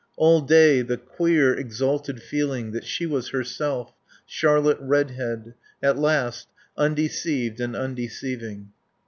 All day the queer, exalted feeling that she was herself, Charlotte Redhead, at last, undeceived and undeceiving.